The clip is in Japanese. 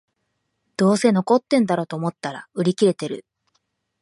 どうせ残ってんだろと思ったら売り切れてる